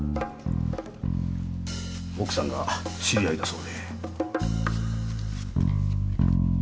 奥さんが知り合いだそうで。